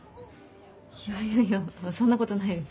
いやいやそんなことないです。